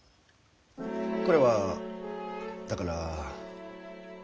これはだから。